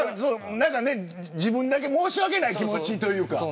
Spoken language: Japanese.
自分だけ申し訳ない気持ちというか。